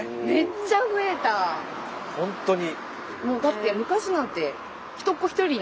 本当に。